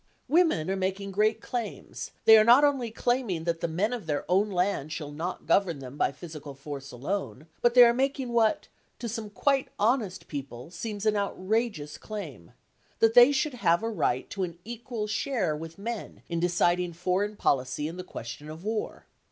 Women are making great claims: they are not only claiming that the men of their own land shall not govern them by physical force alone, but they are making what, to some quite honest people, seems an outrageous claim,—that they should have a right to an equal share with men in deciding foreign policy and the question of war.